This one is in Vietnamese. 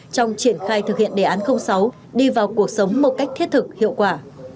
trong triển khai thực hiện đề án sáu đi vào cuộc sống một cách thiết thực hiệu quả